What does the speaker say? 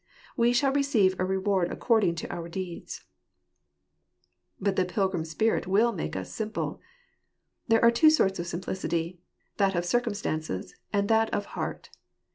We shall receive a reward according to our deeds. But the pilgrim spirit will make us simple. There are two sorts of simplicity : that of circumstances ; and that of heart.